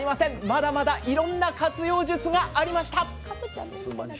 まだまだいろんな活用術がありました。